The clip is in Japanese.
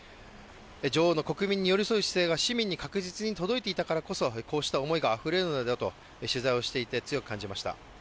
女王の国民によりそう姿勢が市民に確実に届いていたからこそこうした思いがあふれるのだと、取材をしていて強く感じました。